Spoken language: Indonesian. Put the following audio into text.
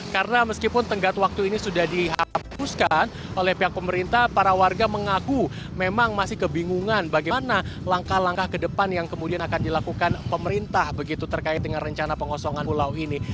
karena meskipun tenggat waktu ini sudah dihapuskan oleh pihak pemerintah para warga mengaku memang masih kebingungan bagaimana langkah langkah ke depan yang kemudian akan dilakukan pemerintah begitu terkait dengan rencana pengosongan pulau ini